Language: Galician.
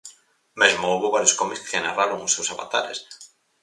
Mesmo houbo varios cómics que narraron os seus avatares.